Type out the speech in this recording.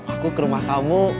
aku ke rumah kamu